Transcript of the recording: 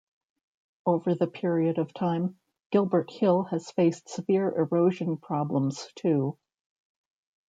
Over the period of time, Gilbert Hill has faced severe erosion problems too.